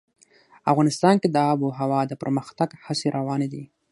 افغانستان کې د آب وهوا د پرمختګ هڅې روانې دي.